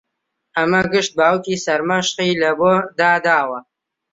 ئەمە گشت باوکی سەرمەشقی لەبۆ داداوە